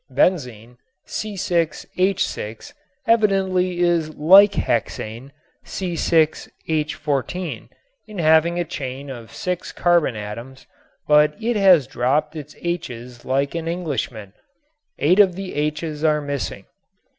Benzene, C_H_, evidently is like hexane, C_H_, in having a chain of six carbon atoms, but it has dropped its H's like an Englishman. Eight of the H's are missing.